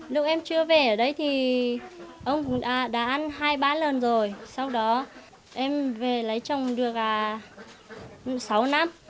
lúc em chưa về ở đây thì ông cũng đã ăn hai ba lần rồi sau đó em về lấy chồng được sáu năm